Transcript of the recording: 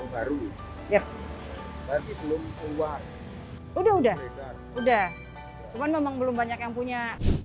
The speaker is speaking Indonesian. baru baru ya udah udah udah cuma memang belum banyak yang punya